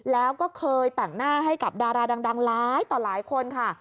แล้วก็เคยแต่งหน้าให้กับดาราดังหลายต่อหลายคนค่ะ